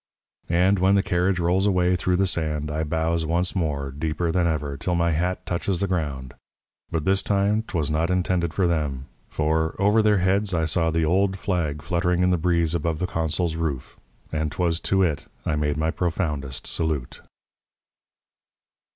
"And when the carriage rolls away through the sand I bows once more, deeper than ever, till my hat touches the ground. But this time 'twas not intended for them. For, over their heads, I saw the old flag fluttering in the breeze above the consul's roof; and 'twas to it I made my profoundest salute."